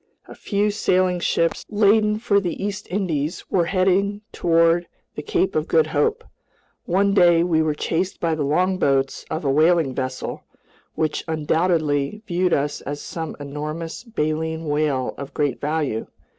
A few sailing ships, laden for the East Indies, were heading toward the Cape of Good Hope. One day we were chased by the longboats of a whaling vessel, which undoubtedly viewed us as some enormous baleen whale of great value.